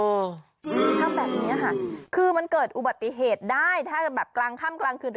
อืมทำแบบนี้ค่ะคือมันเกิดอุบัติเหตุได้ถ้าแบบกลางค่ำกลางคืน